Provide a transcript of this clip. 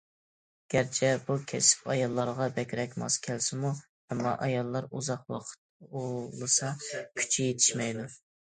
گەرچە بۇ كەسىپ ئاياللارغا بەكرەك ماس كەلسىمۇ، ئەمما ئاياللار ئۇزاق ۋاقىت ئۇۋۇلىسا كۈچى يېتىشمەيدۇ.